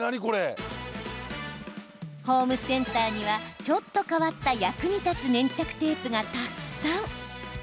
ホームセンターにはちょっと変わった役に立つ粘着テープがたくさん！